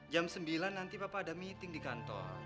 jam sembilan nanti bapak ada meeting di kantor